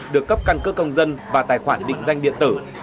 được cấp căn cước công dân và tài khoản định danh điện tử